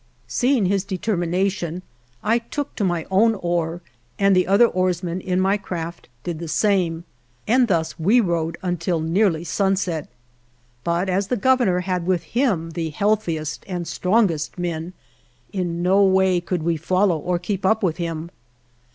Seeing his determination, I took to my own oar and the other oarsmen in my craft did the same, and thus we rowed until nearly sunset. But as the Governor had with him the healthiest and strong est men, in no way could we follow or keep up with him.